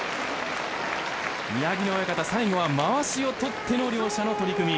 宮城野親方、最後はまわしを取っての両者の取組。